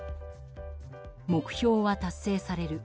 目標は達成される。